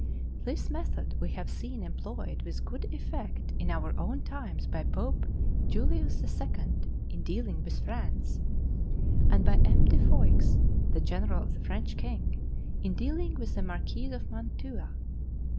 This method we have seen employed with good effect in our own times by Pope Julius II. in dealing with France, and by M. de Foix, the general of the French king, in dealing with the Marquis of Mantua.